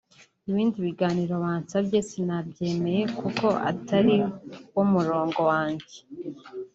ibindi biganiro bansabye sinabyemeye kuko atariwo murongo wanjye